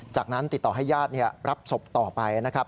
จากนั้นติดต่อให้ญาติรับศพต่อไปนะครับ